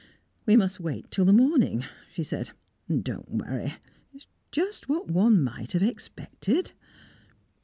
"We must wait till the morning," she said. "Don't worry. It's just what one might have expected."